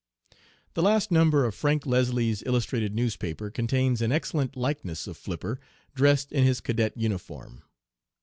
"The last number of Frank Leslie's Illustrated Newspaper contains an excellent likeness of Flipper, dressed in his cadet uniform.